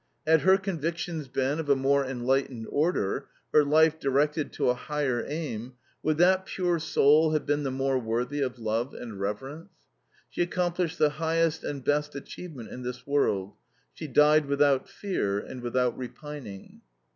Had her convictions been of a more enlightened order, her life directed to a higher aim, would that pure soul have been the more worthy of love and reverence? She accomplished the highest and best achievement in this world: she died without fear and without repining.